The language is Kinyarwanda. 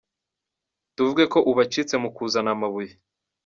Tuvuge ko ubacitse mu kuzana amabuye.